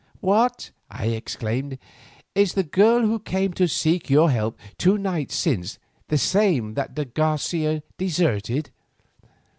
"What!" I exclaimed, "is the girl who came to seek your help two nights since the same that de Garcia deserted?"